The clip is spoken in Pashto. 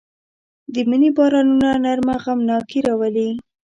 د مني بارانونه نرمه غمناکي راولي